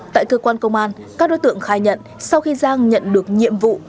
tại cơ quan công an các đối tượng khai nhận sau khi giang nhận được nhiệm vụ